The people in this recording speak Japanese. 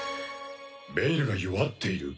ベイルが弱っている？